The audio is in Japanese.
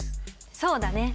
そうだね。